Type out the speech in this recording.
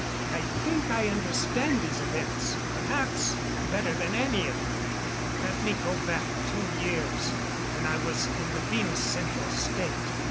I think I understand these events, perhaps better than any of you. Let me go back two years when I was in the Venus Central State."